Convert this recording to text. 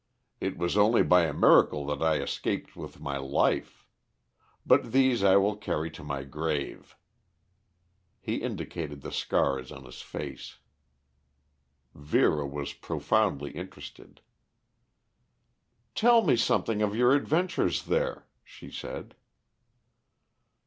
It was only by a miracle that I escaped with my life. But these I will carry to my grave." He indicated the scars on his face. Vera was profoundly interested. "Tell me something of your adventures there," she said.